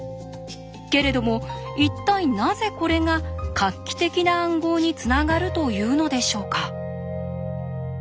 けれども一体なぜこれが画期的な暗号につながるというのでしょうか。